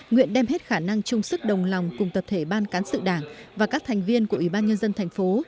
nguyện đem hết khả năng chung sức đồng lòng cùng tập thể ban cán sự đảng và các thành viên của ủy ban nhân dân thành phố